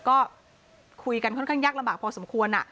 ก็คุยกันค่อนข้างยากลำบากพอสมควร